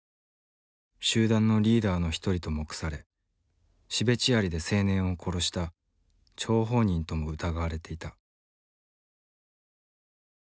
集団のリーダーの一人と目されシベチアリで青年を殺した張本人とも疑われていた。